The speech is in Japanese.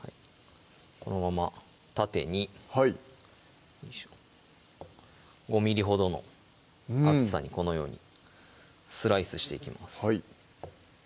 このまま縦によいしょ５ｍｍほどの厚さにこのようにスライスしていきます